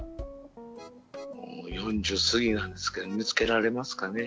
もう４０過ぎなんですけど見つけられますかね。